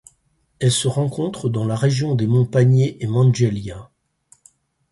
Elle se rencontre dans la région des monts Panié et Mandjélia.